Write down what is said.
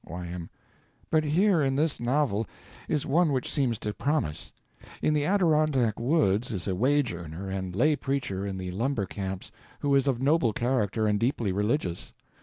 Y.M. But here in this novel is one which seems to promise. In the Adirondack woods is a wage earner and lay preacher in the lumber camps who is of noble character and deeply religious.